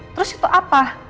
terus itu apa